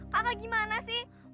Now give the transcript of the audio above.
kakak gimana sih